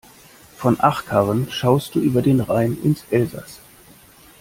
Von Achkarren schaust du über den Rhein ins Elsass.